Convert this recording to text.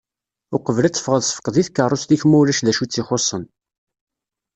Uqbel ad tefɣeḍ sefqed i tkerrust-ik ma ulac d acu i tt-ixuṣṣen.